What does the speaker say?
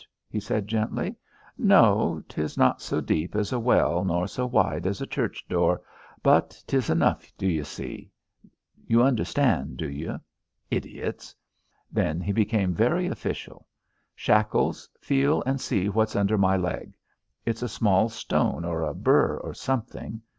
he said gently. "No, 'tis not so deep as a well nor so wide as a church door, but 'tis enough, d'you see? You understand, do you? Idiots!" Then he became very official. "Shackles, feel and see what's under my leg. It's a small stone, or a burr, or something.